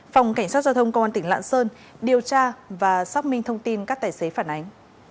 phòng cảnh sát giao thông công an tỉnh lạng sơn điều tra và xác minh thông tin các tài xế phản ánh